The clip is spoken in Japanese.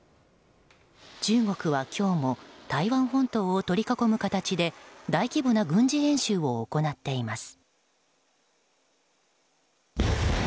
中国は今日も台湾本島を取り囲む形で大規模な軍事演習を行っています。